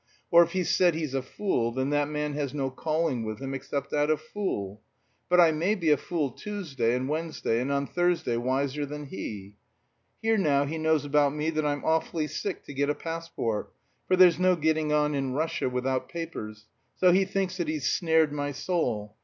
Or if he's said he's a fool, then that man has no calling with him except that of fool. But I may be a fool Tuesday and Wednesday, and on Thursday wiser than he. Here now he knows about me that I'm awfully sick to get a passport, for there's no getting on in Russia without papers so he thinks that he's snared my soul.